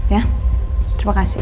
ya terima kasih